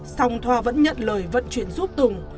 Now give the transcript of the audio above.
xong thoa vẫn nhận lời vận chuyển giúp